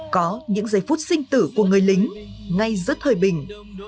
có những giây phút sinh tử của người lính ngay giữa thời bình